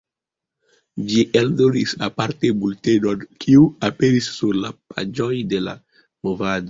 Ĝi eldonis aparte bultenon, kiu aperis sur la paĝoj de La Movado.